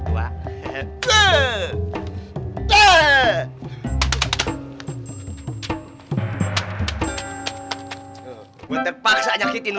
gue terpaksa nyakitin lo